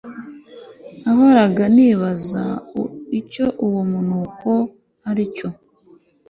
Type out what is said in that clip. nahoraga nibaza icyo uwo munuko aricyo